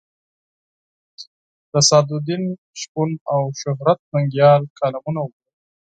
د سعدالدین شپون او شهرت ننګیال کالمونه وګورئ.